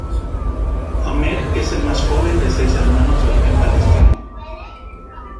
Amer es el más joven de seis hermanos de origen palestino.